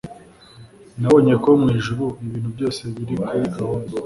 Nabonye ko mu ijuru ibintu byose biri kuri gahunda